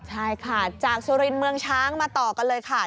ใช่ค่ะจากสุรินทร์เมืองช้างมาต่อกันเลยค่ะ